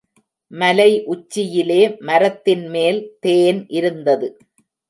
மலை உச்சியிலே மரத்தின் மேல் தேன் இருந்தது.